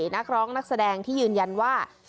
โปรดติดตามตอนต่อไป